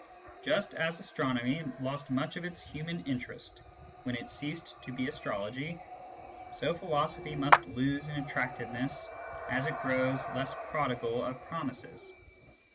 Just as astronomy lost much of its human interest when it ceased to be astrology, so philosophy must lose in attractiveness as it grows less prodigal of promises.